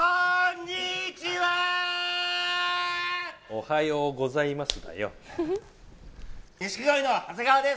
おはようございます。